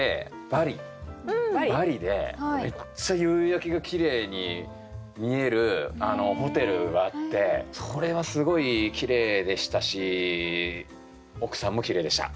バリでめっちゃ夕焼けが綺麗に見えるホテルがあってそれはすごい綺麗でしたし奥さんも綺麗でした。